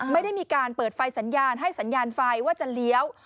ไม่ได้มีการเปิดไฟสัญญาณให้สัญญาณไฟว่าจะเลี้ยว